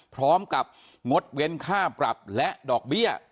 พร้อมกับงดเว้นค่าปรับและดอกเบี้ย